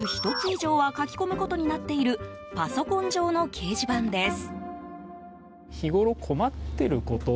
新商品のアイデアを毎週１つ以上は書き込むことになっているパソコン上の掲示板です。